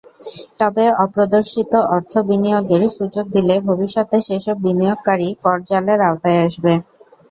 তবে অপ্রদর্শিত অর্থ বিনিয়োগের সুযোগ দিলে ভবিষ্যতে সেসব বিনিয়োগকারী কর-জালের আওতায় আসবে।